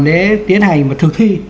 nếu tiến hành mà thực thi